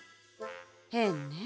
へんねえ。